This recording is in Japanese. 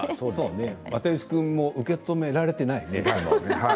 又吉君も受け止められていないよね。